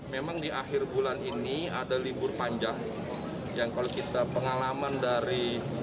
memang di akhir bulan ini ada libur panjang yang kalau kita pengalaman dari